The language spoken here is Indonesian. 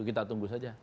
kita tunggu saja